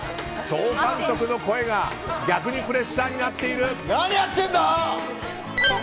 総監督の声が逆にプレッシャーになっている。